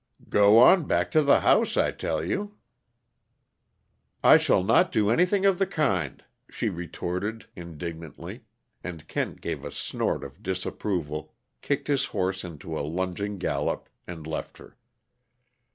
"Go on back to the house, I tell you!" "I shall not do anything of the kind," she retorted indignantly, and Kent gave a snort of disapproval, kicked his horse into a lunging gallop, and left her.